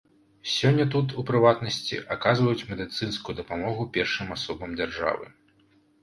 Сёння тут, у прыватнасці, аказваюць медыцынскую дапамогу першым асобам дзяржавы.